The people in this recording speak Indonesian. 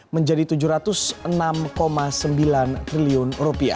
menjadi rp tujuh ratus enam sembilan triliun